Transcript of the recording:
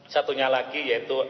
satunya lagi yaitu